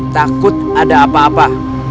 takut ada apa apa